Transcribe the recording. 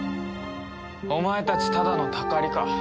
お前たちただのたかりか。